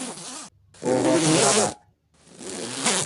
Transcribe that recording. Oho wakuzera w'ada?